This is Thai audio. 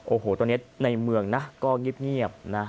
โอ้โหตอนนี้ในเมืองนะก็เงียบนะ